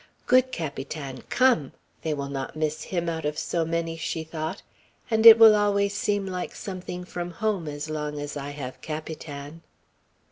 "Good Capitan, come! They will not miss him out of so many," she thought, "and it will always seem like something from home, as long as I have Capitan."